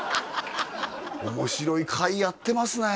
面白い会やってますね